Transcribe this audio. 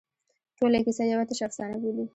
ټوله کیسه یوه تشه افسانه بولي.